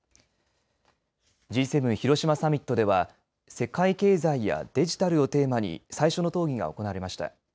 Ｇ７広島サミットでは世界経済やデジタルをテーマに最初の討議が行われました。